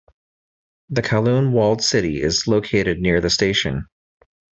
The Kowloon Walled City is located near the station.